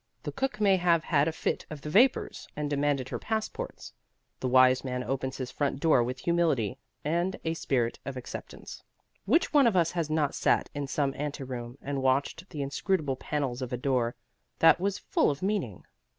The cook may have had a fit of the vapors and demanded her passports. The wise man opens his front door with humility and a spirit of acceptance. Which one of us has not sat in some ante room and watched the inscrutable panels of a door that was full of meaning?